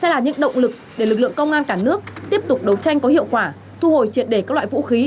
sẽ là những động lực để lực lượng công an cả nước tiếp tục đấu tranh có hiệu quả thu hồi triệt để các loại vũ khí